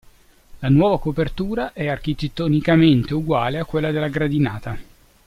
La nuova copertura è architettonicamente uguale a quella della Gradinata.